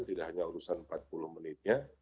tidak hanya urusan empat puluh menitnya